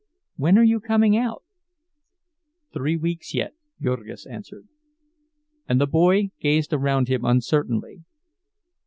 "When are you coming out?" "Three weeks yet," Jurgis answered. And the boy gazed around him uncertainly.